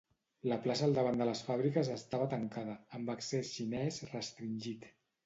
La plaça al davant de les fàbriques estava tancada, amb accés xinès restringit.